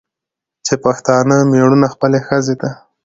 چې پښتانه مېړونه خپلې ښځې ته